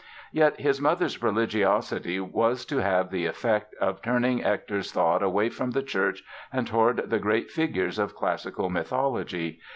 Yet his mother's religiosity was to have the effect of turning Hector's thoughts away from the church and toward the great figures of classical mythology.